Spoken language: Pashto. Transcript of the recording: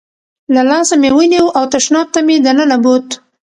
له لاسه مې ونیو او تشناب ته مې دننه بوت.